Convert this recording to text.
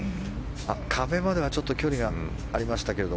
壁まではちょっと距離がありましたけど。